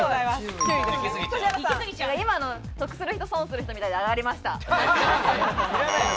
今の『得する人損する人』みたいで上がりました。